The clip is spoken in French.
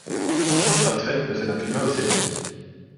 Ystradfellte possède un climat océanique.